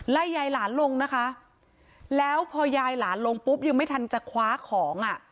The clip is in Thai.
ไล่ยายหลานลงนะคะแล้วพอยายหลานลงปุ๊บยังไม่ทันจะคว้าของอ่ะ